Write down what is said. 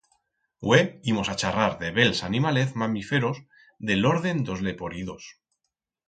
Hue imos a charrar de bels animalez mamiferos de l'orden d'os leporidos.